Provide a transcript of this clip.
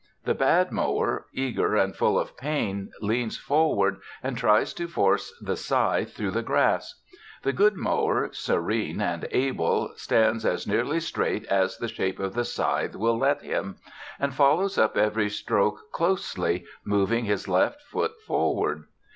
The bad mower, eager and full of pain, leans forward and tries to force the scythe through the grass. The good mower, serene and able, stands as nearly straight as the shape of the scythe will let him, and follows up every stroke closely, moving his left foot forward.